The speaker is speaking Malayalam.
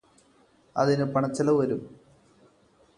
അതിനു പണചെലവ് വരും